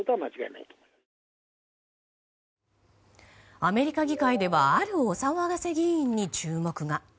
アメリカ議会ではあるお騒がせ議員に注目が。